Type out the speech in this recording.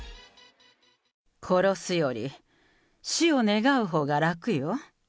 殺すより、死を願うほうが楽よ。